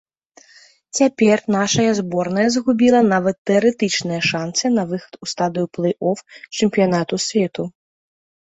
Цяпер нашая зборная згубіла нават тэарэтычныя шанцы на выхад у стадыю плэй-оф чэмпіянату свету.